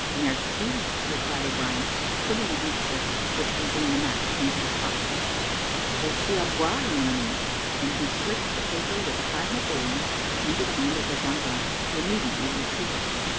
"Merci," replied O'Brien, putting the handkerchief which contained the map into his pocket; "voici a boire, mon ami;" and he slipped the paper with the five Napoleons into the hand of the gendarme, who immediately retreated.